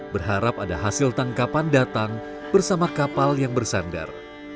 berharap ada hasil tangkapan datang bersama kapal yang bersandar